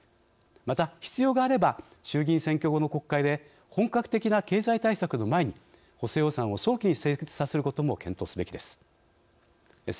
また、必要があれば衆議院選挙後の国会で本格的な経済対策の前に補正予算を早期に成立させることも検討すべきです。